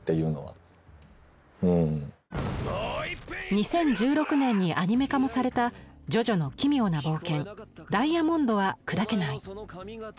２０１６年にアニメ化もされた「ジョジョの奇妙な冒険ダイヤモンドは砕けない」。